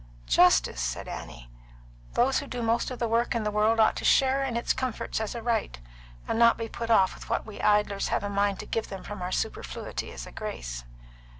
"Justice," said Annie. "Those who do most of the work in the world ought to share in its comforts as a right, and not be put off with what we idlers have a mind to give them from our superfluity as a grace."